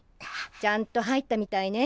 ちゃんと入ったみたいね。